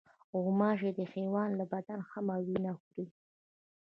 غوماشې د حیوان له بدن هم وینه خوري.